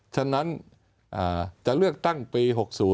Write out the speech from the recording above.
ฉะนั้นจะเลือกตั้งปี๖๐